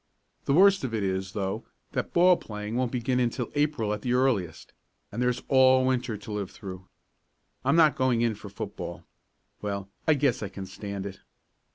The worst of it is, though, that ball playing won't begin until April at the earliest, and there's all winter to live through. I'm not going in for football. Well, I guess I can stand it."